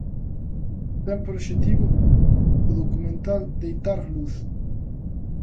Ten por obxectivo o documental deitar luz?